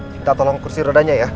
minta tolong kursi rodanya ya